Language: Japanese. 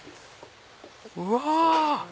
うわ！